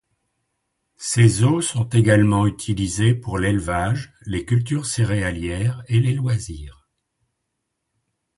Ses eaux sont également utilisées pour l'élevage, les cultures céréalières et les loisirs.